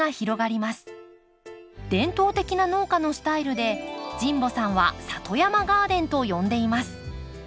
伝統的な農家のスタイルで神保さんは「里山ガーデン」と呼んでいます。